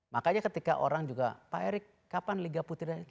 makanya ketika orang juga pak erick kapan liga putri dan itu